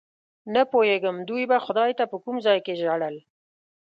نه پوهېږم دوی به خدای ته په کوم ځای کې ژړل.